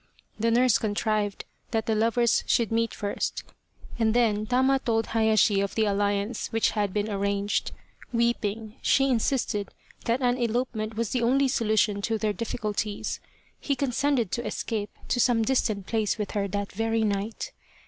The nurse contrived that the lovers should meet first, and then Tama told Hayashi of the alliance which had been arranged. Weeping, she insisted that an elopement was the only solution to their difficulties. He consented to escape to some distant place with her that very night.